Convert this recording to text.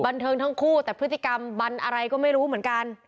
บันเทิงทั้งคู่แต่พฤติกรรมบันอะไรก็ไม่รู้เหมือนกัน